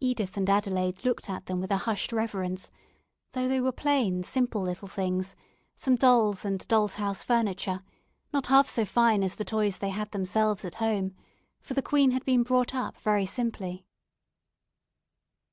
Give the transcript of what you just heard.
Edith and Adelaide looked at them with a hushed reverence, though they were plain, simple little things, some dolls and dolls' house furniture, not half so fine as the toys they had themselves at home, for the queen had been brought up very simply.